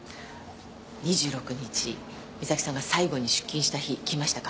２６日美咲さんが最後に出勤した日来ましたか？